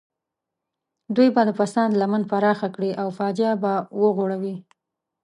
دوی به د فساد لمن پراخه کړي او فاجعه به وغوړوي.